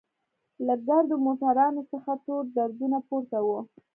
له ګردو موټرانوڅخه تور دودونه پورته وو.